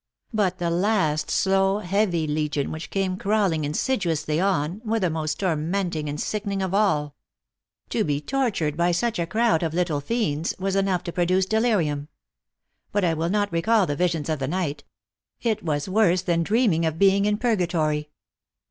But the last slow, heavy legion which came crawling insidiously on, were the most tormenting and sickening of all. To be tortured by such a crowd of little fiends was enough to produce delirium. But I will not recall the visions of the night. It was worse than dreaming of being in purgatory